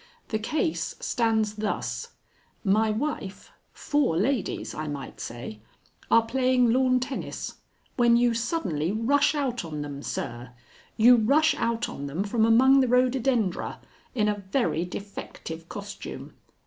"The case stands thus: My wife four ladies, I might say are playing lawn tennis, when you suddenly rush out on them, sir; you rush out on them from among the rhododendra in a very defective costume.